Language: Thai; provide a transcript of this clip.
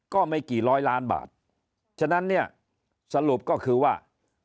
ก็ไม่กี่ร้อยล้านบาทฉะนั้นเนี่ยสรุปก็คือว่า